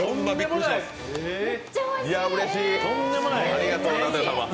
ありがとう、舘様。